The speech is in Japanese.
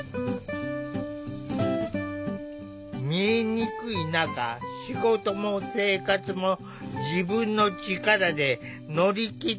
見えにくい中仕事も生活も自分の力で乗り切ってきた。